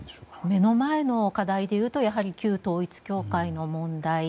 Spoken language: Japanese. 目の前の課題で言うとやはり、旧統一教会の問題。